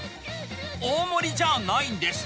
大盛りじゃないんです。